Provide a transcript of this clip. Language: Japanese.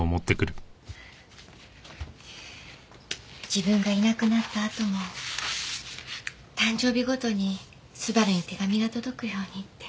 自分がいなくなったあとも誕生日ごとに昴に手紙が届くようにって。